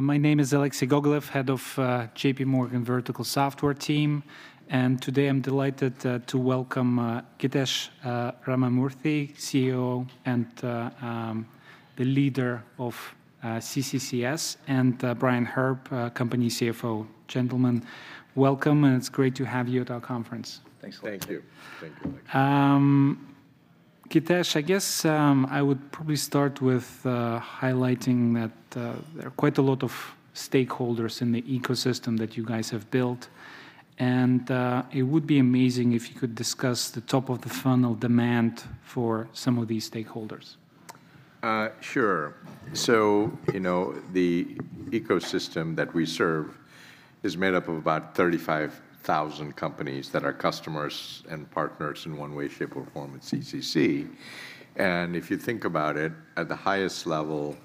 My name is Alexei Gogolev, head of JPMorgan Vertical Software Team, and today I'm delighted to welcome Githesh Ramamurthy, CEO and the leader of CCCS, and Brian Herb, company CFO. Gentlemen, welcome, and it's great to have you at our conference. Thanks a lot. Thank you. Thank you, Alexei. Githesh, I guess, I would probably start with, highlighting that, there are quite a lot of stakeholders in the ecosystem that you guys have built, and, it would be amazing if you could discuss the top-of-the-funnel demand for some of these stakeholders. Sure. So, you know, the ecosystem that we serve is made up of about 35,000 companies that are customers and partners in one way, shape, or form at CCC. And if you think about it, at the highest level,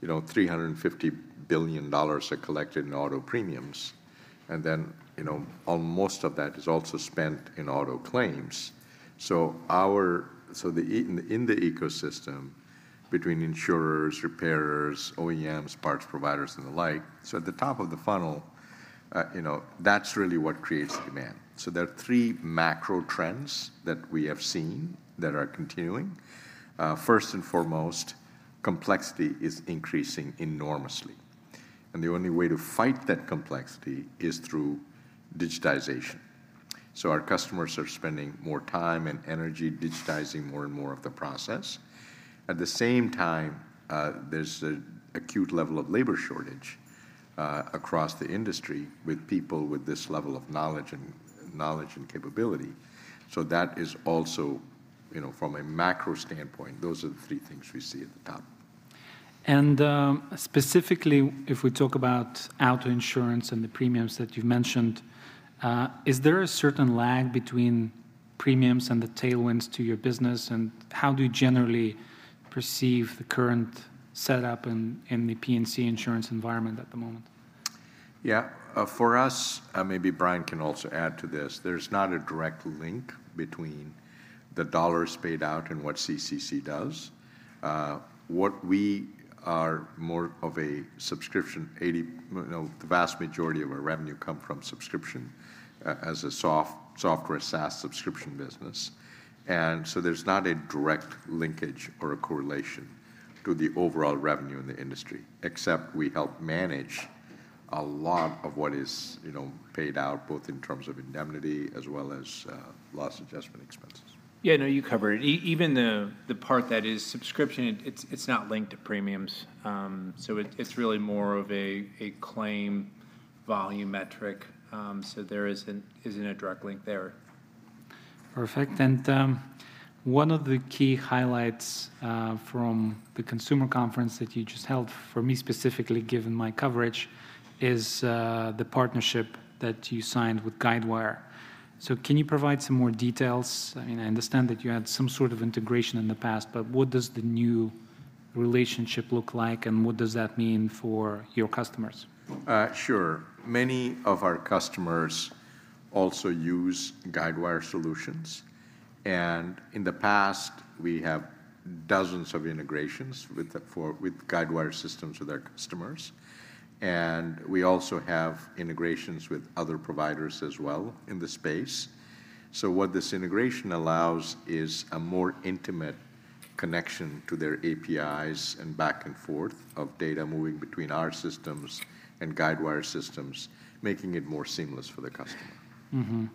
you know, $350 billion are collected in auto premiums, and then, you know, most of that is also spent in auto claims. So the ecosystem between insurers, repairers, OEMs, parts providers, and the like, so at the top of the funnel, you know, that's really what creates demand. So there are three macro trends that we have seen that are continuing. First and foremost, complexity is increasing enormously, and the only way to fight that complexity is through digitization. So our customers are spending more time and energy digitizing more and more of the process. At the same time, there's an acute level of labor shortage across the industry with people with this level of knowledge and capability. So that is also, you know, from a macro standpoint, those are the three things we see at the top. Specifically, if we talk about auto insurance and the premiums that you've mentioned, is there a certain lag between premiums and the tailwinds to your business? And how do you generally perceive the current setup in the P&C insurance environment at the moment? Yeah. For us, maybe Brian can also add to this, there's not a direct link between the dollars paid out and what CCC does. What we are more of a subscription. You know, the vast majority of our revenue come from subscription, as a Software SaaS subscription business, and so there's not a direct linkage or a correlation to the overall revenue in the industry, except we help manage a lot of what is, you know, paid out, both in terms of indemnity as well as, loss adjustment expenses. Yeah, no, you covered it. Even the part that is subscription, it's not linked to premiums. So it, it's really more of a claim volume metric. So there isn't a direct link there. Perfect. And one of the key highlights from the consumer conference that you just held, for me specifically, given my coverage, is the partnership that you signed with Guidewire. So can you provide some more details? I mean, I understand that you had some sort of integration in the past, but what does the new relationship look like, and what does that mean for your customers? Sure. Many of our customers also use Guidewire solutions, and in the past, we have dozens of integrations with Guidewire systems with our customers, and we also have integrations with other providers as well in the space. So what this integration allows is a more intimate connection to their APIs and back and forth of data moving between our systems and Guidewire systems, making it more seamless for the customer. Mm-hmm.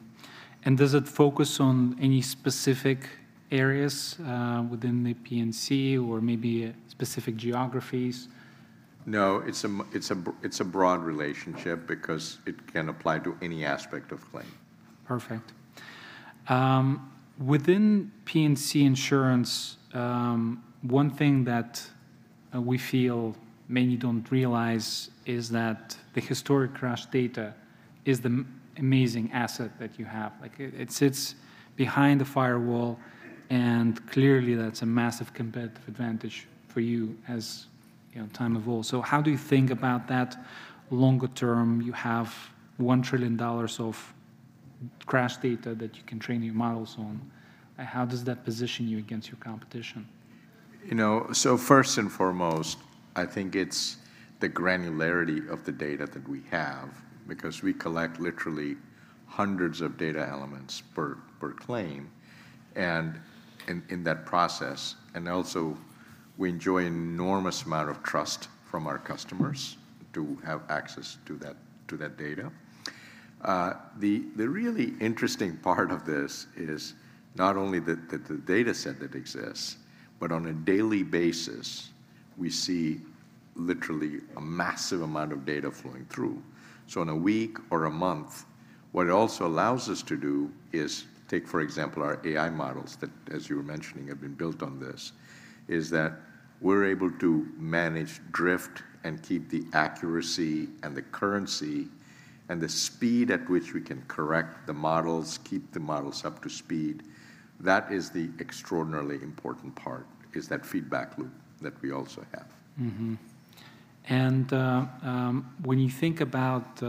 And does it focus on any specific areas, within the P&C or maybe specific geographies? No, it's a broad relationship because it can apply to any aspect of claim. Perfect. Within P&C insurance, one thing that we feel many don't realize is that the historic crash data is the amazing asset that you have. Like, it, it sits behind the firewall, and clearly, that's a massive competitive advantage for you as, you know, time evolves. So how do you think about that longer term? You have $1 trillion of crash data that you can train your models on. How does that position you against your competition? You know, so first and foremost, I think it's the granularity of the data that we have because we collect literally hundreds of data elements per claim, and in that process. And also, we enjoy an enormous amount of trust from our customers to have access to that data. The really interesting part of this is not only the dataset that exists, but on a daily basis, we see literally a massive amount of data flowing through. So in a week or a month, what it also allows us to do is take, for example, our AI models that, as you were mentioning, have been built on this, is that we're able to manage drift and keep the accuracy and the currency and the speed at which we can correct the models, keep the models up to speed. That is the extraordinarily important part, is that feedback loop that we also have. Mm-hmm. And when you think about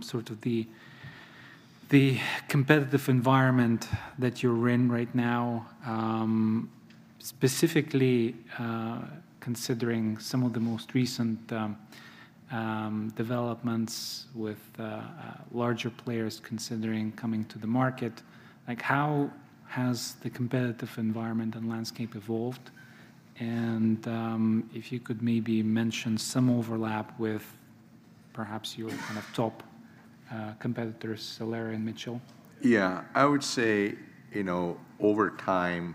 sort of the competitive environment that you're in right now, specifically considering some of the most recent developments with larger players considering coming to the market, like, how has the competitive environment and landscape evolved? And if you could maybe mention some overlap with perhaps your kind of top competitors, Solera and Mitchell. Yeah, I would say, you know, over time,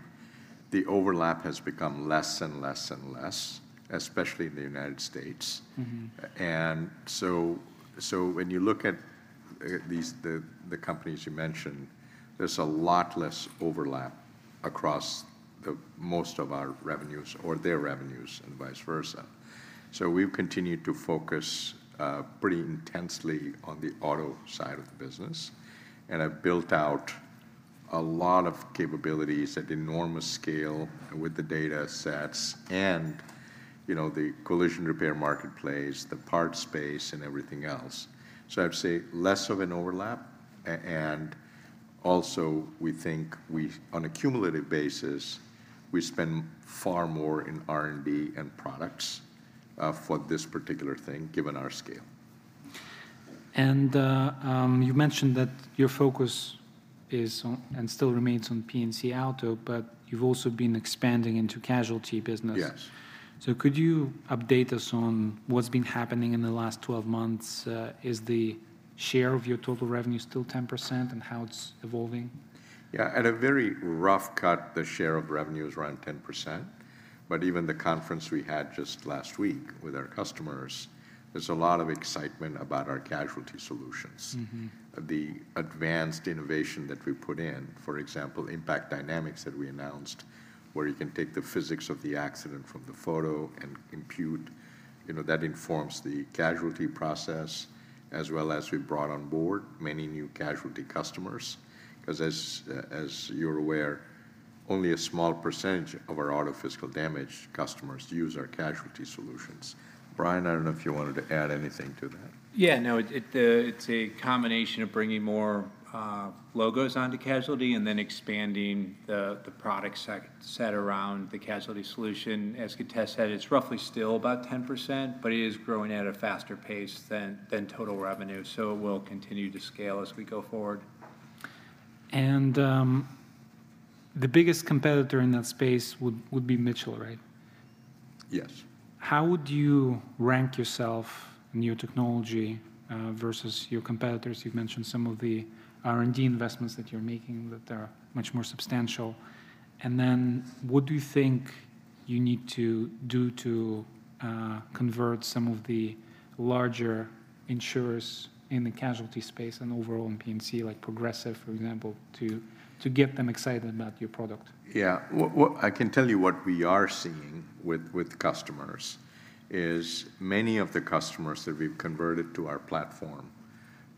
the overlap has become less and less and less, especially in the United States. Mm-hmm. And so when you look at these, the companies you mentioned, there's a lot less overlap across the most of our revenues or their revenues and vice versa. So we've continued to focus pretty intensely on the auto side of the business and have built out a lot of capabilities at enormous scale with the data sets and, you know, the collision repair marketplace, the parts space, and everything else. So I'd say less of an overlap, and also, we think we, on a cumulative basis, we spend far more in R&D and products for this particular thing, given our scale. You've mentioned that your focus is on and still remains on P&C auto, but you've also been expanding into casualty business. Yes. Could you update us on what's been happening in the last 12 months? Is the share of your total revenue still 10%, and how it's evolving? Yeah, at a very rough cut, the share of revenue is around 10%, but even the conference we had just last week with our customers, there's a lot of excitement about our casualty solutions. Mm-hmm. The advanced innovation that we put in, for example, Impact Dynamics that we announced, where you can take the physics of the accident from the photo and compute, you know, that informs the casualty process, as well as we brought on board many new casualty customers. 'Cause as you're aware, only a small percentage of our auto physical damage customers use our casualty solutions. Brian, I don't know if you wanted to add anything to that. Yeah, no, it is a combination of bringing more logos onto casualty and then expanding the product set around the casualty solution. As Githesh said, it's roughly still about 10%, but it is growing at a faster pace than total revenue, so it will continue to scale as we go forward. The biggest competitor in that space would be Mitchell, right? Yes. How would you rank yourself in your technology versus your competitors? You've mentioned some of the R&D investments that you're making, that they're much more substantial. And then, what do you think you need to do to convert some of the larger insurers in the casualty space and overall in P&C, like Progressive, for example, to get them excited about your product? Yeah. What I can tell you is what we are seeing with customers is many of the customers that we've converted to our platform,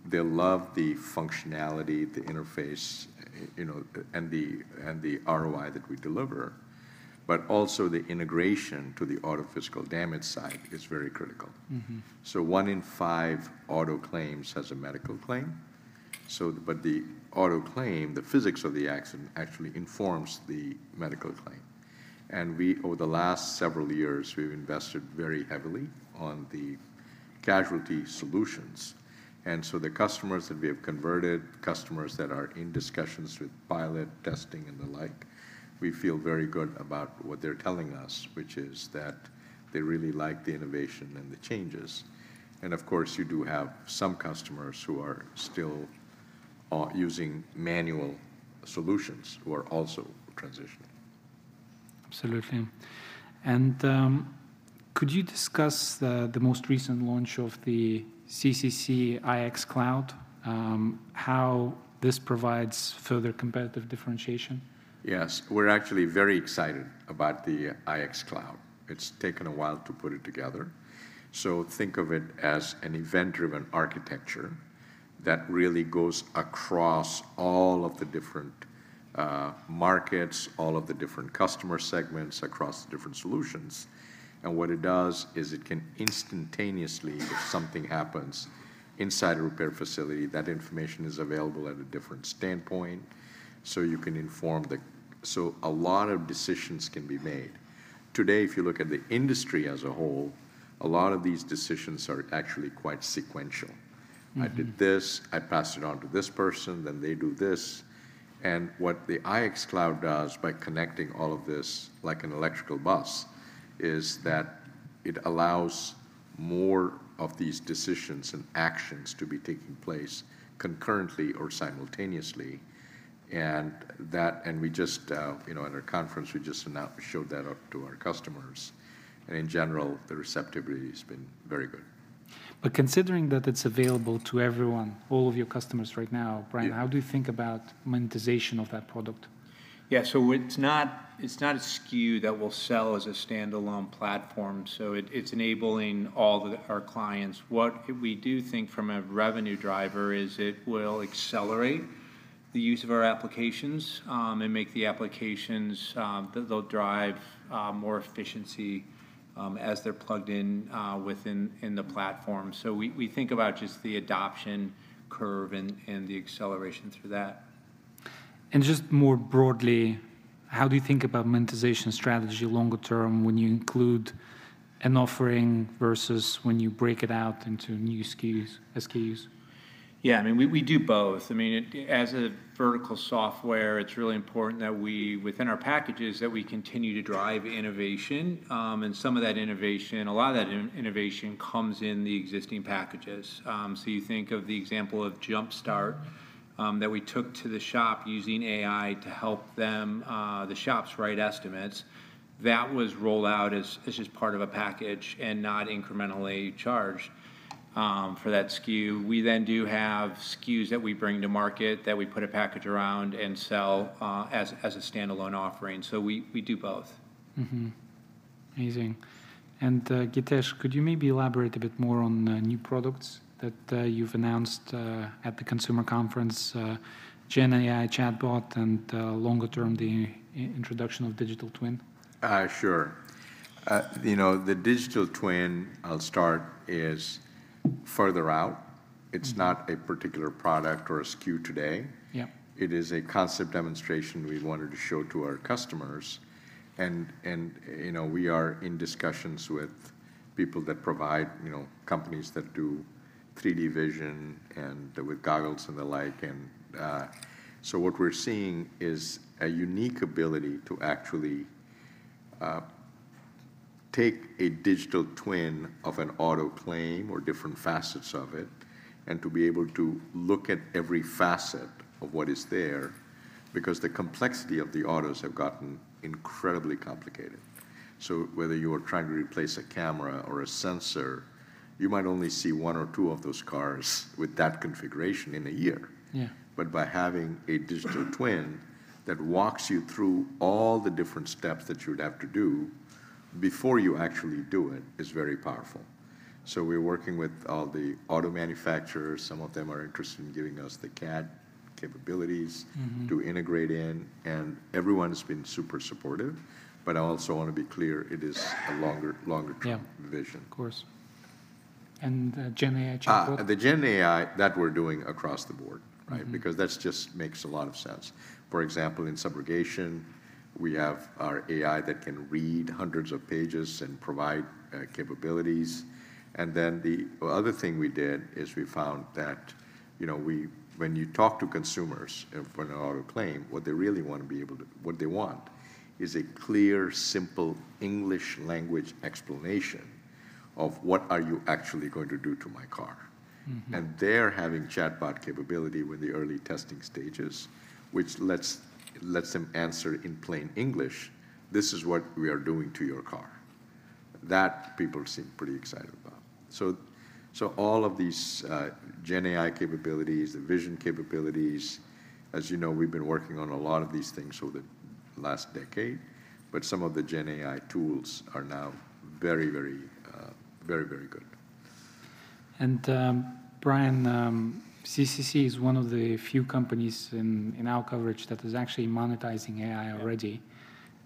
they love the functionality, the interface, you know, and the ROI that we deliver, but also the integration to the auto physical damage side is very critical. Mm-hmm. So one in five auto claims has a medical claim, so... But the auto claim, the physics of the accident, actually informs the medical claim. And we, over the last several years, we've invested very heavily on the casualty solutions, and so the customers that we have converted, customers that are in discussions with pilot testing and the like, we feel very good about what they're telling us, which is that they really like the innovation and the changes. And of course, you do have some customers who are still using manual solutions, who are also transitioning. Absolutely. Could you discuss the most recent launch of the CCC IX Cloud, how this provides further competitive differentiation? Yes. We're actually very excited about the IX Cloud. It's taken a while to put it together. So think of it as an event-driven architecture that really goes across all of the different markets, all of the different customer segments, across the different solutions. And what it does is it can instantaneously, if something happens inside a repair facility, that information is available at a different standpoint, so you can inform the... So a lot of decisions can be made. Today, if you look at the industry as a whole, a lot of these decisions are actually quite sequential. Mm-hmm. I did this, I passed it on to this person, then they do this. And what the IX Cloud does by connecting all of this, like an electrical bus, is that it allows more of these decisions and actions to be taking place concurrently or simultaneously, and that. And we just, you know, at our conference, we just announced, we showed that off to our customers, and in general, the receptivity has been very good. But considering that it's available to everyone, all of your customers right now- Yeah... Brian, how do you think about monetization of that product? Yeah, so it's not a SKU that will sell as a standalone platform, so it's enabling all our clients. What we do think from a revenue driver is it will accelerate the use of our applications, and make the applications that they'll drive more efficiency as they're plugged in within the platform. So we think about just the adoption curve and the acceleration through that. Just more broadly, how do you think about monetization strategy longer term when you include an offering versus when you break it out into new SKUs, SKUs? Yeah, I mean, we, we do both. I mean, as a vertical software, it's really important that we, within our packages, that we continue to drive innovation. And some of that innovation, a lot of that innovation comes in the existing packages. So you think of the example of Jumpstart, that we took to the shop using AI to help them, the shops write estimates. That was rolled out as, as just part of a package and not incrementally charged, for that SKU. We then do have SKUs that we bring to market, that we put a package around and sell, as, as a standalone offering. So we, we do both. Mm-hmm. Amazing. And, Githesh, could you maybe elaborate a bit more on new products that you've announced at the consumer conference, GenAI chatbot, and longer term, the introduction of Digital Twin? Sure. You know, the Digital Twin, I'll start, is further out. Mm-hmm. It's not a particular product or a SKU today. Yeah. It is a concept demonstration we wanted to show to our customers. You know, we are in discussions with people that provide, you know, companies that do 3D vision and with goggles and the like. So what we're seeing is a unique ability to actually take a Digital Twin of an auto claim or different facets of it, and to be able to look at every facet of what is there, because the complexity of the autos have gotten incredibly complicated. So whether you are trying to replace a camera or a sensor, you might only see one or two of those cars with that configuration in a year. Yeah. But by having a Digital Twin that walks you through all the different steps that you would have to do before you actually do it is very powerful. So we're working with all the auto manufacturers. Some of them are interested in giving us the CAD capabilities- Mm-hmm... to integrate in, and everyone has been super supportive. But I also want to be clear, it is a longer, longer-term- Yeah - vision. Of course. And, GenAI chatbot? The GenAI that we're doing across the board, right? Mm-hmm. Because that just makes a lot of sense. For example, in subrogation, we have our AI that can read hundreds of pages and provide capabilities. And then the other thing we did is we found that, you know, when you talk to consumers for an auto claim, what they really want to be able to, what they want is a clear, simple English language explanation of: What are you actually going to do to my car? Mm-hmm. They're having chatbot capability with the early testing stages, which lets them answer in plain English, "This is what we are doing to your car." That, people seem pretty excited about. So all of these GenAI capabilities, the vision capabilities, as you know, we've been working on a lot of these things over the last decade, but some of the GenAI tools are now very, very, very, very good. Brian, CCC is one of the few companies in our coverage that is actually monetizing AI already.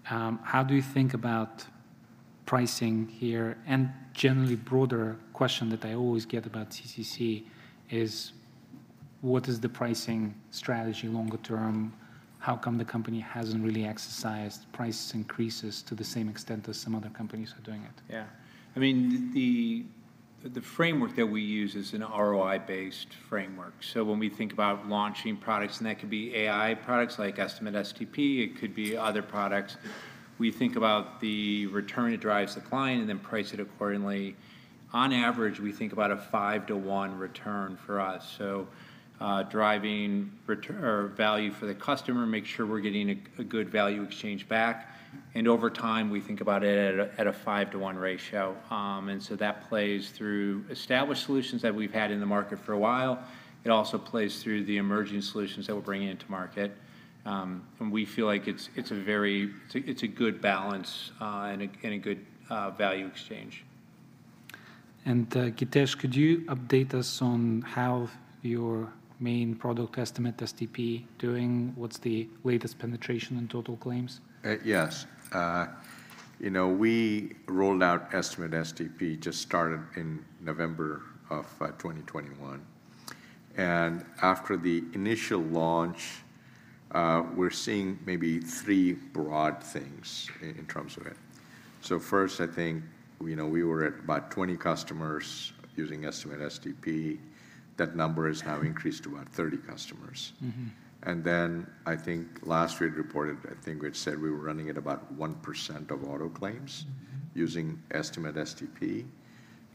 How do you think about pricing here? A nd generally, broader question that I always get about CCC is: What is the pricing strategy longer term? How come the company hasn't really exercised price increases to the same extent as some other companies are doing it? Yeah. I mean, the framework that we use is an ROI-based framework. So when we think about launching products, and that could be AI products like Estimate- STP, it could be other products, we think about the return that drives the client and then price it accordingly. On average, we think about a 5-to-1 return for us. So, driving return or value for the customer, make sure we're getting a good value exchange back, and over time, we think about it at a 5-to-1 ratio. And so that plays through established solutions that we've had in the market for a while. It also plays through the emerging solutions that we're bringing into market. And we feel like it's a good balance, and a good value exchange. Githesh, could you update us on how your main product Estimate- STP doing? What's the latest penetration in total claims? Yes. You know, we rolled out Estimate-STP, just started in November of 2021. And after the initial launch, we're seeing maybe three broad things in terms of it. So first, I think, you know, we were at about 20 customers using Estimate-STP. That number has now increased to about 30 customers. Mm-hmm. Then I think last we had reported, I think we had said we were running at about 1% of auto claims using Estimate-STP.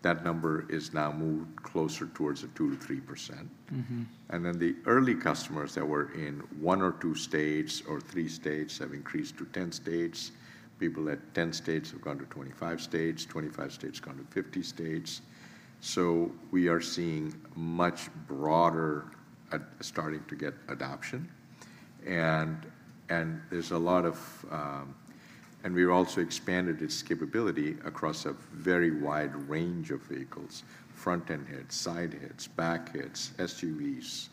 That number is now moved closer toward the 2%-3%. Mm-hmm. Then the early customers that were in one or two states or three states have increased to 10 states. People at 10 states have gone to 25 states, 25 states have gone to 50 states. So we are seeing much broader starting to get adoption. And we've also expanded its capability across a very wide range of vehicles: front-end hits, side hits, back hits, SUVs.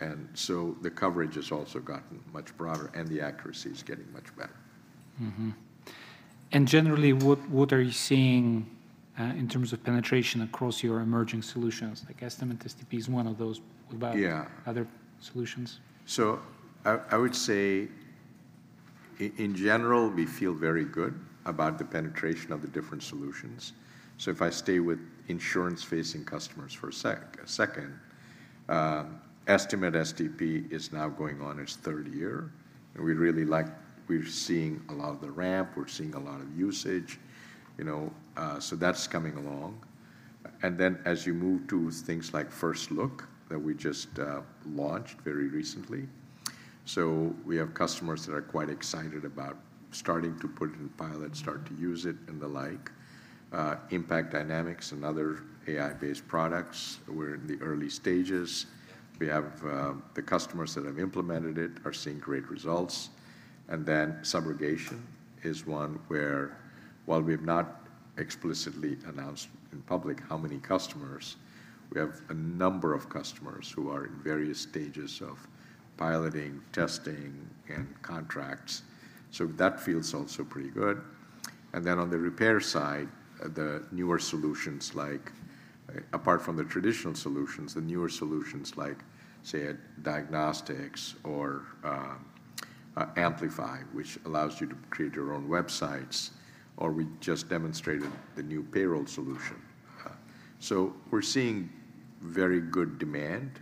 And so the coverage has also gotten much broader, and the accuracy is getting much better. Mm-hmm. And generally, what, what are you seeing in terms of penetration across your emerging solutions? Like Estimate-STP is one of those- Yeah about other solutions. So I would say in general, we feel very good about the penetration of the different solutions. So if I stay with insurance-facing customers for a second, Estimate-STP is now going on its third year, and we really like... We're seeing a lot of the ramp, we're seeing a lot of usage, you know, so that's coming along. And then, as you move to things like First Look that we just launched very recently, so we have customers that are quite excited about starting to put it in pilot, start to use it, and the like. Impact Dynamics and other AI-based products, we're in the early stages. We have the customers that have implemented it are seeing great results. And then Subrogation is one where, while we've not explicitly announced in public how many customers, we have a number of customers who are in various stages of piloting, testing, and contracts. So that feels also pretty good. And then, on the repair side, the newer solutions, like, apart from the traditional solutions, the newer solutions like, say, a diagnostics or, Amplify, which allows you to create your own websites, or we just demonstrated the new payroll solution. So we're seeing very good demand,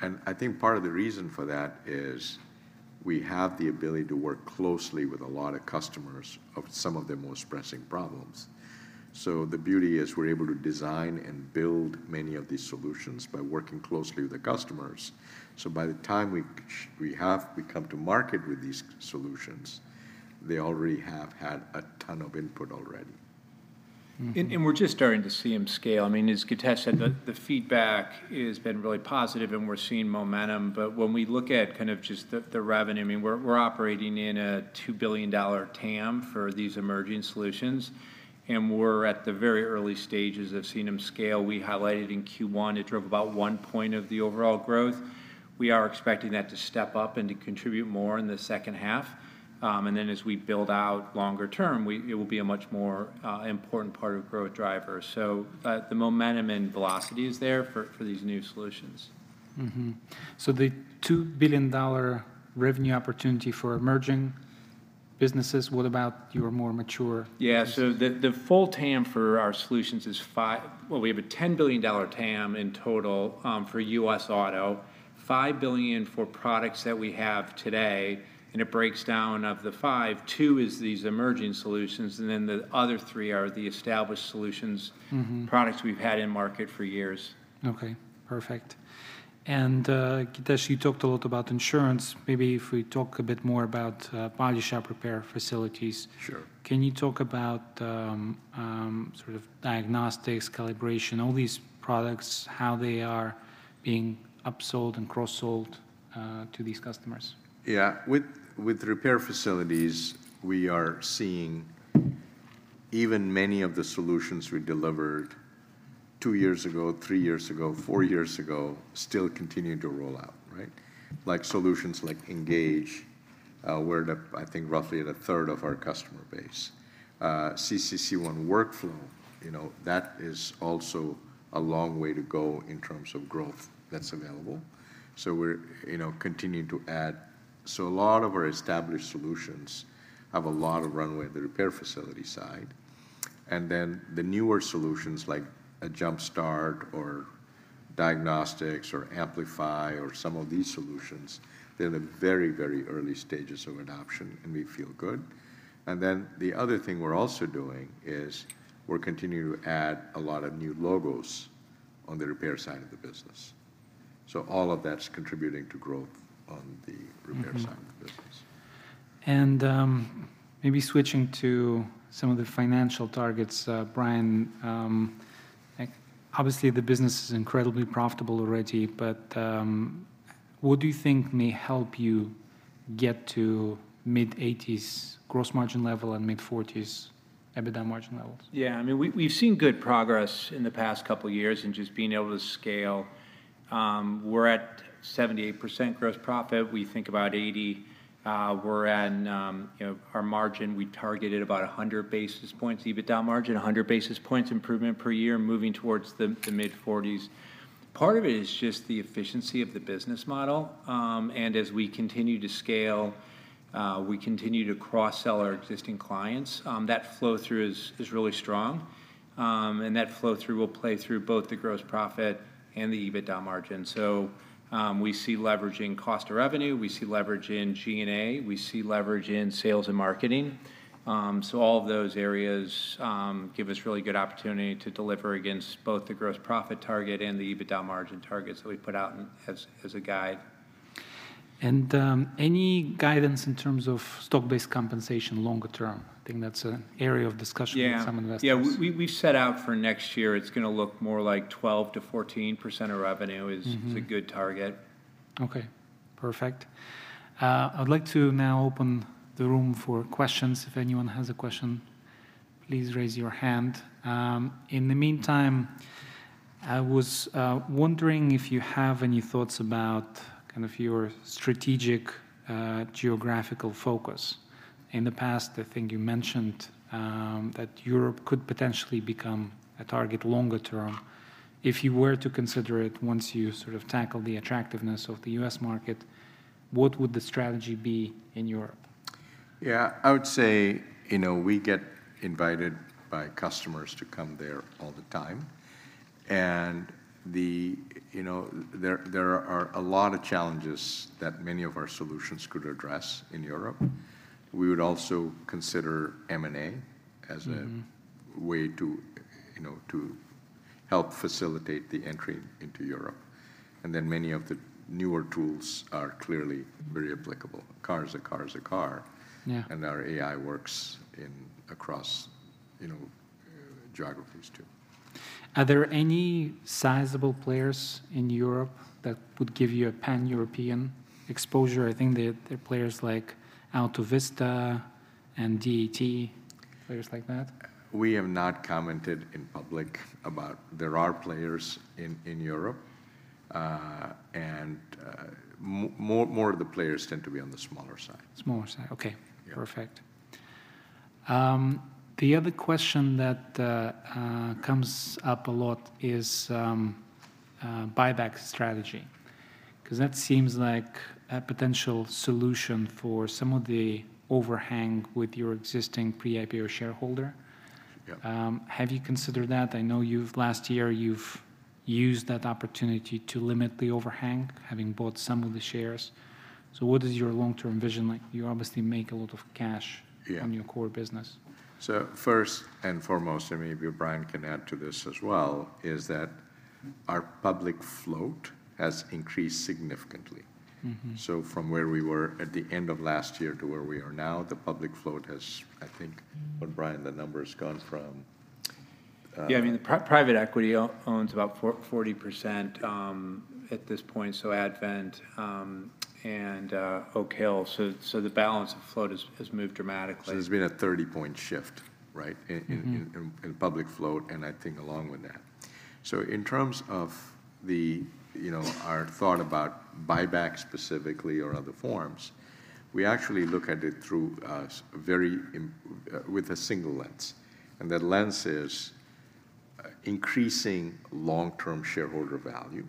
and I think part of the reason for that is we have the ability to work closely with a lot of customers of some of their most pressing problems. So the beauty is we're able to design and build many of these solutions by working closely with the customers. So by the time we come to market with these solutions, they already have had a ton of input already. Mm-hmm. We're just starting to see them scale. I mean, as Githesh said, the feedback has been really positive, and we're seeing momentum. But when we look at kind of just the revenue, I mean, we're operating in a $2 billion TAM for these emerging solutions, and we're at the very early stages of seeing them scale. We highlighted in Q1, it drove about 1 point of the overall growth. We are expecting that to step up and to contribute more in the second half. And then, as we build out longer term, it will be a much more important part of growth driver. The momentum and velocity is there for these new solutions. Mm-hmm. So the $2 billion revenue opportunity for emerging businesses, what about your more mature? Yeah. So the full TAM for our solutions is 5... Well, we have a $10 billion TAM in total for U.S. Auto, $5 billion for products that we have today, and it breaks down. Of the 5, 2 is these emerging solutions, and then the other 3 are the established solutions- Mm-hmm... products we've had in market for years. Okay, perfect. And, Githesh, you talked a lot about insurance. Maybe if we talk a bit more about body shop repair facilities. Sure. Can you talk about, sort of diagnostics, calibration, all these products, how they are being upsold and cross-sold, to these customers? Yeah. With repair facilities, we are seeing even many of the solutions we delivered two years ago, three years ago, four years ago, still continuing to roll out, right? Like solutions like Engage, we're at, I think, roughly at a third of our customer base. CCC One Workflow, you know, that is also a long way to go in terms of growth that's available. So we're, you know, continuing to add. So a lot of our established solutions have a lot of runway on the repair facility side. And then, the newer solutions, like a Jumpstart or Diagnostics or Amplify or some of these solutions, they're in the very, very early stages of adoption, and we feel good. And then, the other thing we're also doing is we're continuing to add a lot of new logos on the repair side of the business. All of that's contributing to growth on the- Mm-hmm... repair side of the business. Maybe switching to some of the financial targets, Brian, like, obviously, the business is incredibly profitable already, but, what do you think may help you get to mid-80s gross margin level and mid-40s EBITDA margin levels? Yeah. I mean, we, we've seen good progress in the past couple of years in just being able to scale. We're at 78% gross profit. We think about 80%. We're at, you know, our margin, we targeted about 100 basis points, EBITDA margin, 100 basis points improvement per year, moving towards the mid-40s. Part of it is just the efficiency of the business model. And as we continue to scale, we continue to cross-sell our existing clients. That flow-through is really strong, and that flow-through will play through both the gross profit and the EBITDA margin. So, we see leverage in cost of revenue, we see leverage in G&A, we see leverage in sales and marketing. All of those areas give us really good opportunity to deliver against both the gross profit target and the EBITDA margin targets that we put out as a guide. Any guidance in terms of stock-based compensation longer term? I think that's an area of discussion. Yeah with some investors. Yeah, we set out for next year. It's gonna look more like 12%-14% of revenue- Mm-hmm... is a good target. Okay, perfect. I would like to now open the room for questions. If anyone has a question, please raise your hand. In the meantime, I was wondering if you have any thoughts about kind of your strategic geographical focus. In the past, I think you mentioned that Europe could potentially become a target longer term. If you were to consider it once you sort of tackle the attractiveness of the U.S. market, what would the strategy be in Europe? Yeah, I would say, you know, we get invited by customers to come there all the time, and, you know, there are a lot of challenges that many of our solutions could address in Europe. We would also consider M&A as a- Mm-hmm... way to, you know, to help facilitate the entry into Europe, and then many of the newer tools are clearly very applicable. A car is a car is a car- Yeah... and our AI works across, you know, geographies, too. Are there any sizable players in Europe that would give you a pan-European exposure? I think the players like Autovista and DAT, players like that. We have not commented in public about... There are players in Europe, and more of the players tend to be on the smaller side. Smaller side. Okay. Yeah. Perfect. The other question that comes up a lot is buyback strategy, 'cause that seems like a potential solution for some of the overhang with your existing pre-IPO shareholder. Yeah. Have you considered that? I know you've-- last year, you've used that opportunity to limit the overhang, having bought some of the shares. So what is your long-term vision like? You obviously make a lot of cash- Yeah... on your core business. So first and foremost, and maybe Brian can add to this as well, is that our public float has increased significantly. Mm-hmm. So from where we were at the end of last year to where we are now, the public float has, I think, what Brian, the number has gone from, Yeah, I mean, the private equity owns about 40%, at this point, so Advent and Oak Hill. So the balance of float has moved dramatically. So there's been a 30-point shift, right? Mm-hmm. In public float, and I think along with that. So in terms of the, you know, our thought about buyback specifically or other forms, we actually look at it through a single lens, and that lens is increasing long-term shareholder value,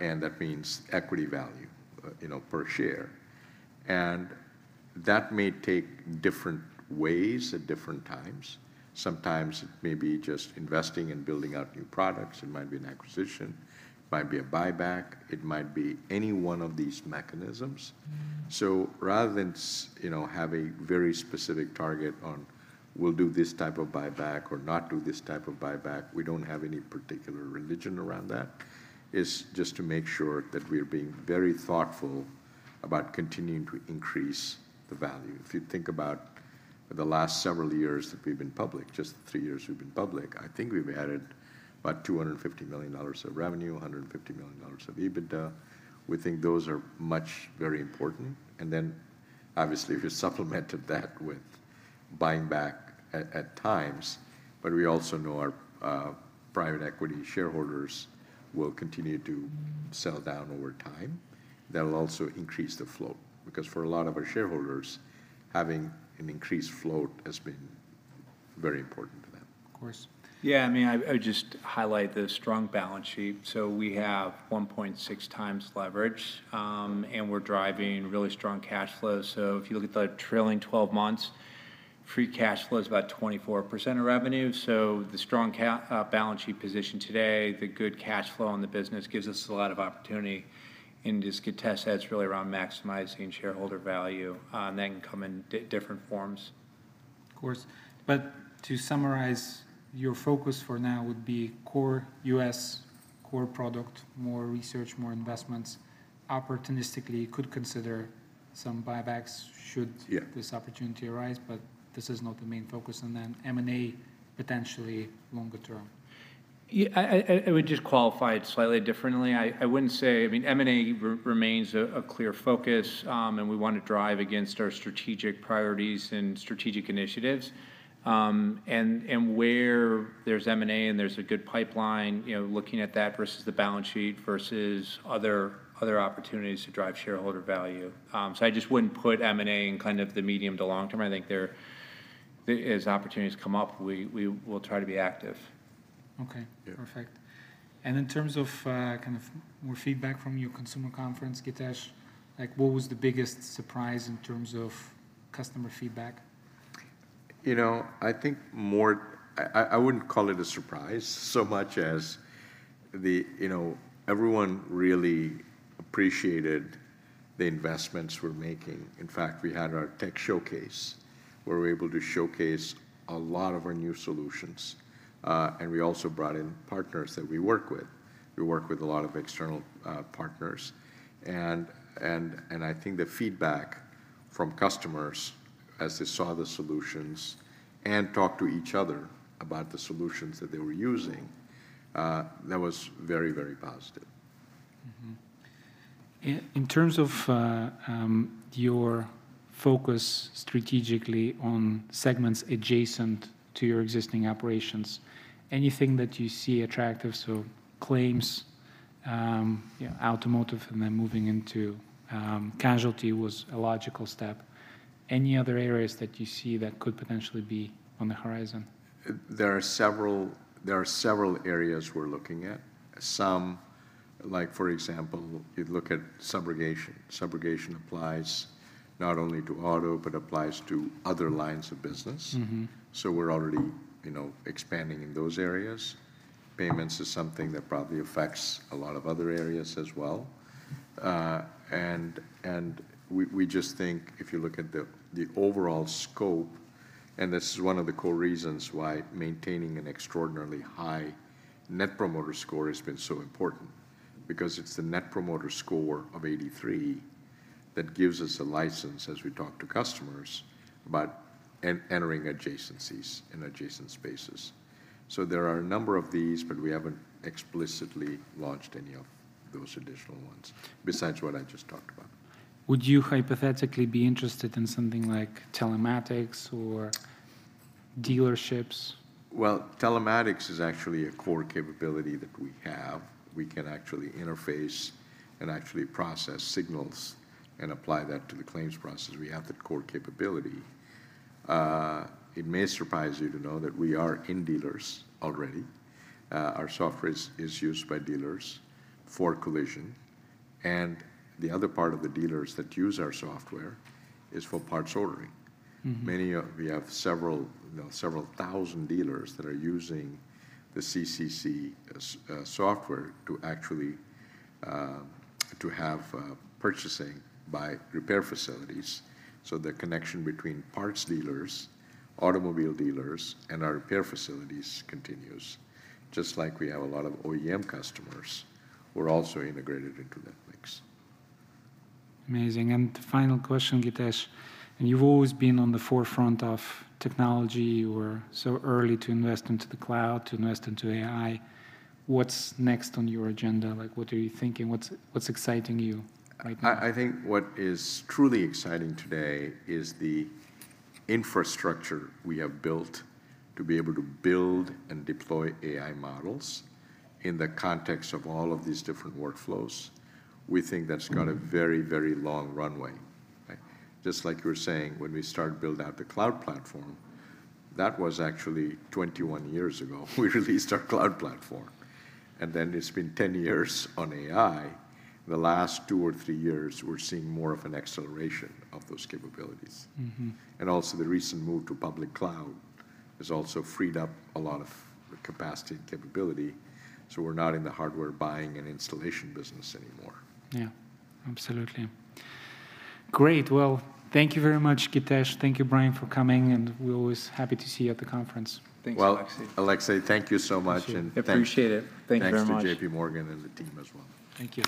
and that means equity value, you know, per share. And that may take different ways at different times. Sometimes it may be just investing in building out new products, it might be an acquisition, it might be a buyback, it might be any one of these mechanisms So rather than, you know, have a very specific target on, "We'll do this type of buyback or not do this type of buyback," we don't have any particular religion around that. It's just to make sure that we're being very thoughtful about continuing to increase the value. If you think about the last several years that we've been public, just the three years we've been public, I think we've added about $250 million of revenue, $150 million of EBITDA. We think those are much very important, and then obviously, we've supplemented that with buying back at times. But we also know our private equity shareholders will continue to sell down over time. That will also increase the float, because for a lot of our shareholders, having an increased float has been very important to them. Of course. Yeah, I mean, I'd, I would just highlight the strong balance sheet. So we have 1.6x leverage, and we're driving really strong cash flow. So if you look at the trailing twelve months, free cash flow is about 24% of revenue. So the strong balance sheet position today, the good cash flow on the business, gives us a lot of opportunity, and Githesh, that's really around maximizing shareholder value, and that can come in different forms. Of course. But to summarize, your focus for now would be core U.S., core product, more research, more investments. Opportunistically, you could consider some buybacks should- Yeah... this opportunity arise, but this is not the main focus, and then M&A, potentially longer term. Yeah, I would just qualify it slightly differently. I wouldn't say... I mean, M&A remains a clear focus, and we want to drive against our strategic priorities and strategic initiatives. And where there's M&A and there's a good pipeline, you know, looking at that versus the balance sheet versus other opportunities to drive shareholder value. So I just wouldn't put M&A in kind of the medium to long term. I think there—the, as opportunities come up, we will try to be active. Okay. Yeah. Perfect. In terms of, kind of more feedback from your consumer conference, Githesh, like, what was the biggest surprise in terms of customer feedback? You know, I think more—I wouldn't call it a surprise so much as the... You know, everyone really appreciated the investments we're making. In fact, we had our tech showcase, where we were able to showcase a lot of our new solutions, and we also brought in partners that we work with. We work with a lot of external partners, and I think the feedback from customers as they saw the solutions and talked to each other about the solutions that they were using, that was very, very positive. Mm-hmm. In terms of your focus strategically on segments adjacent to your existing operations, anything that you see attractive? So claims, yeah, automotive, and then moving into casualty was a logical step. Any other areas that you see that could potentially be on the horizon? There are several areas we're looking at. Some, like for example, you look at Subrogation. Subrogation applies not only to auto, but to other lines of business. Mm-hmm. So we're already, you know, expanding in those areas. Payments is something that probably affects a lot of other areas as well. And we just think if you look at the overall scope, and this is one of the core reasons why maintaining an extraordinarily high Net Promoter Score has been so important, because it's the Net Promoter Score of 83 that gives us a license as we talk to customers about entering adjacencies and adjacent spaces. So there are a number of these, but we haven't explicitly launched any of those additional ones, besides what I just talked about. Would you hypothetically be interested in something like telematics or dealerships? Well, telematics is actually a core capability that we have. We can actually interface and actually process signals and apply that to the claims process. We have the core capability. It may surprise you to know that we are in dealers already. Our software is used by dealers for collision, and the other part of the dealers that use our software is for parts ordering. Mm-hmm. We have several, you know, several thousand dealers that are using the CCC software to actually to have purchasing by repair facilities. So the connection between parts dealers, automobile dealers, and our repair facilities continues. Just like we have a lot of OEM customers, we're also integrated into that mix. Amazing. And the final question, Githesh, and you've always been on the forefront of technology. You were so early to invest into the cloud, to invest into AI. What's next on your agenda? Like, what are you thinking? What's, what's exciting you right now? I think what is truly exciting today is the infrastructure we have built to be able to build and deploy AI models in the context of all of these different workflows. We think that's got a very, very long runway, right? Just like you were saying, when we started to build out the cloud platform, that was actually 21 years ago we released our cloud platform, and then it's been 10 years on AI. The last two or three years, we're seeing more of an acceleration of those capabilities. Mm-hmm. And also, the recent move to public cloud has also freed up a lot of the capacity and capability, so we're not in the hardware buying and installation business anymore. Yeah, absolutely. Great! Well, thank you very much, Githesh. Thank you, Brian, for coming, and we're always happy to see you at the conference. Thanks, Alexei. Well, Alexei, thank you so much, and thank- Appreciate it. Thank you very much. Thanks to JPMorgan and the team as well. Thank you.